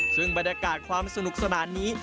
ซึ่งบรรยากาศความสนุกสนานนี้